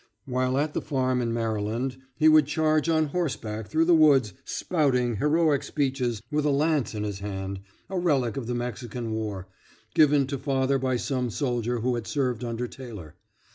While at the farm in Maryland he would charge on horseback through the woods, "spouting" heroic speeches with a lance in his hand a relic of the Mexican war given to father by some soldier who had served under Taylor.